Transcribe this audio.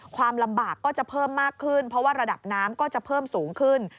ความลำบากก็จะเพิ่มมากขึ้นเพราะว่าระดับน้ำก็จะเพิ่มสูงขึ้น